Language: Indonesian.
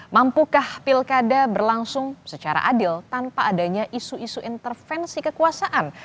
mampukah pilkada berlangsung secara adil tanpa adanya isu isu intervensi kekuasaan